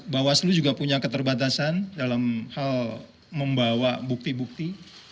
bawaslu juga punya keterbatasan dalam hal membawa bukti bukti